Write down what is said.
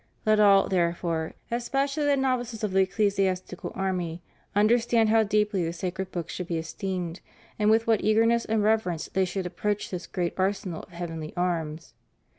'"^ Let all, therefore, especially the novices of the ecclesiastical army, under stand how deeply the sacred books should be esteemed, and with what eagerness and reverence they should ap proach this great arsenal of heavenly arms.